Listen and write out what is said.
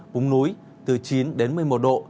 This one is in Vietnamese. bùng núi từ chín đến một mươi một độ